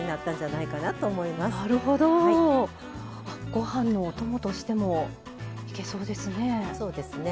ご飯のお供としてもいけそうですね。